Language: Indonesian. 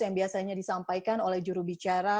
yang biasanya disampaikan oleh jurubicara